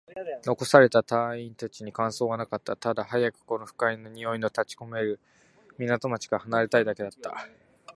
残された隊員達に感想はなかった。ただ、早くこの不快な臭いの立ち込める港町から離れたいだけだった。